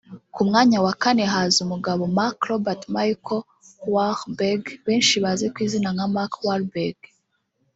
Ku mwanya wa kane haza umugabo Mark Robert Michael Wahlberg benshi bazi ku izina nka Mark Wahlberg